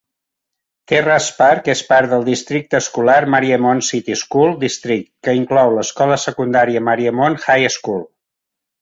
Terrace Park és part del districte escolar Mariemont City School District, que inclou l'escola secundària Mariemont High School.